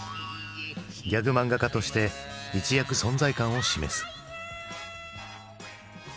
ギャグマンガ家として一躍存在感を示す。